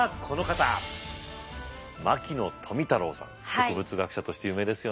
植物学者として有名ですよね。